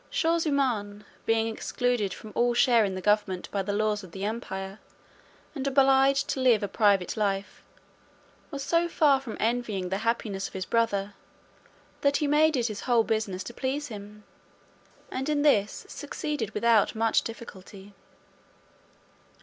Shaw zummaun, being excluded from all share in the government by the laws of the empire, and obliged to live a private life, was so far from envying the happiness of his brother, that he made it his whole business to please him, and in this succeeded without much difficulty.